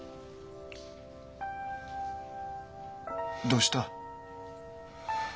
どうした？